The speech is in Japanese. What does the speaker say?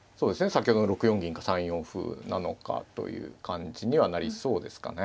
先ほどの６四銀か３四歩なのかという感じにはなりそうですかね。